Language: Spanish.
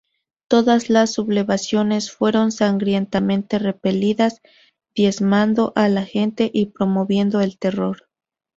Todas las sublevaciones fueron sangrientamente repelidas, diezmando a la gente y promoviendo el terror.